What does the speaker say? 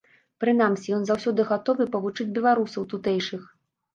Прынамсі, ён заўсёды гатовы павучыць беларусаў тутэйшых.